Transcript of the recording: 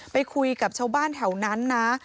ไปคุยกับชาวบ้านแถวนั้นนะ